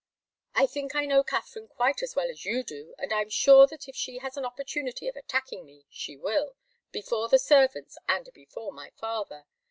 I think I know Katharine quite as well as you do, and I'm sure that if she has an opportunity of attacking me, she will, before the servants and before my father.